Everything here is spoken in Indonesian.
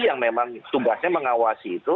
yang memang tugasnya mengawasi itu